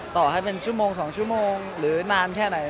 ต่อให้เป็นชั่วโมง๒ชั่วโมงหรือนานแค่ไหน